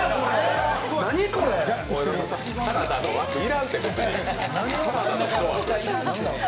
サラダの枠、いらんって。